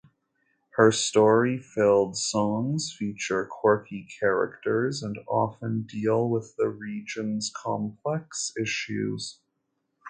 Her story-filled songs feature quirky characters and often deal with the region's complex issues.